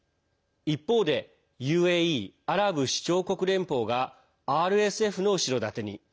一方でＵＡＥ＝アラブ首長国連邦がＲＳＦの後ろ盾に。